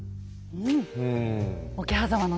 うん。